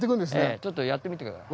ちょっとやってみてください。